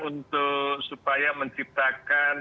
untuk supaya menciptakan